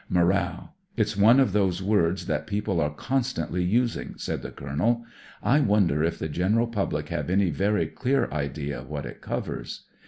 "Moral. It's one of those words that people are constantly using," said the Colonel. "I wonder if the general public have any very clear idea what it covers.